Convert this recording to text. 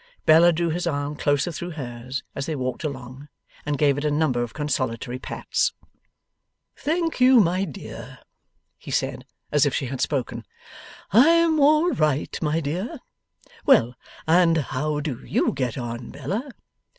Bella drew his arm closer through hers as they walked along, and gave it a number of consolatory pats. 'Thank you, my dear,' he said, as if she had spoken; 'I am all right, my dear. Well, and how do you get on, Bella?